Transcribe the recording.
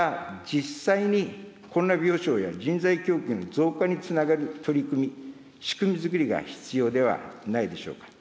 こういった実際にコロナ病床や人材教育の増加につながる取り組み、仕組みづくりが必要ではないでしょうか。